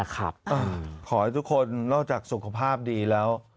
ขอให้ทุกคนนอกจากสุขภาพดีแล้ว